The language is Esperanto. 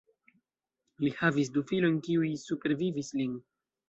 Li havis du filojn kiuj supervivis lin.